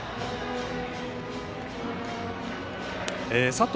佐藤